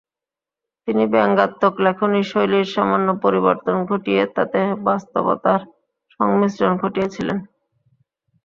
তিনি ব্যাঙ্গাত্মক লেখনি শৈলীর সামান্য পরিবর্তন ঘটিয়ে তাতে বাস্তবতার সংমিশ্রণ ঘটিয়েছিলেন।